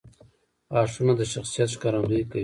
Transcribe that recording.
• غاښونه د شخصیت ښکارندویي کوي.